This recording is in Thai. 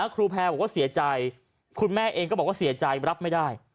ครูแพรบอกว่าเสียใจคุณแม่เองก็บอกว่าเสียใจรับไม่ได้